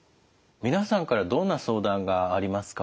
皆さんからどんな相談がありますか？